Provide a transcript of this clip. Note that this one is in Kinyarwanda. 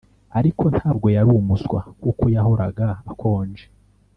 ariko ntabwo yari umuswa, kuko yahoraga akonje,